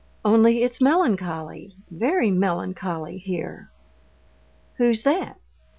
Only it's melancholy, very melancholy here. Who's that?"